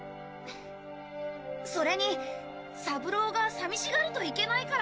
それにサブローが寂しがるといけないから。